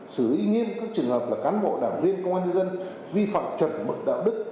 sử ý nghiêm các trường hợp là cán bộ đảng viên công an nhân dân vi phòng chuẩn mực đạo đức